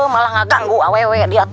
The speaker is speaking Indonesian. malah mengganggu aww dia